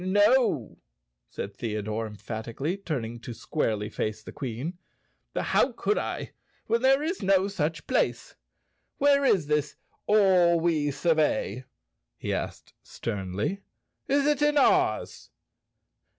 "No!" said Theodore emphatically, turning to squarely face the Queen. "How could I, when there is no such place. Where is this All we survey?" he asked sternly. "Is it in Oz?"